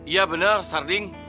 iya bener sarding